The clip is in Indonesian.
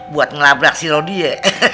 buat ngelabrak si rodia